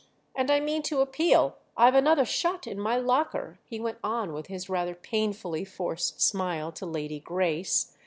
And I mean to appeal—I've another shot in my locker," he went on with his rather painfully forced smile to Lady Grace.